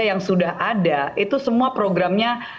yang sudah ada itu semua programnya